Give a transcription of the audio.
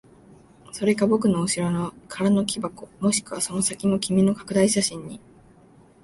それか僕の後ろの空の木箱、もしくはその先の君の拡大写真に。